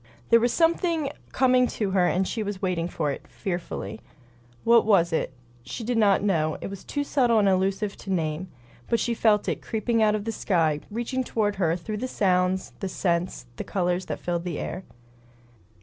There was something coming to her and she was waiting for it, fearfully. What was it? She did not know; it was too subtle and elusive to name. But she felt it, creeping out of the sky, reaching toward her through the sounds, the scents, the color that filled the air.